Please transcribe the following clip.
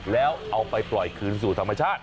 แล้วเอาไปปล่อยคืนสู่ธรรมชาติ